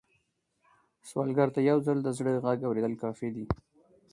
سوالګر ته یو ځل د زړه غږ اورېدل کافي دي